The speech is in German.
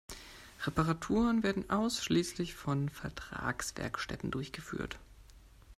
Reparaturen wurden ausschließlich von Vertragswerkstätten durchgeführt.